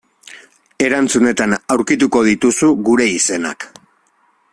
Erantzunetan aurkituko dituzu gure izenak.